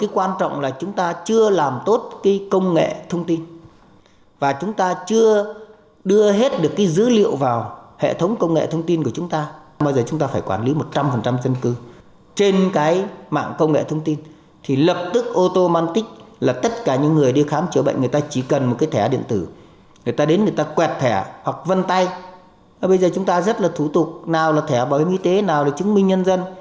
quẹt thẻ hoặc vân tay bây giờ chúng ta rất là thủ tục nào là thẻ bảo hiểm y tế nào là chứng minh nhân dân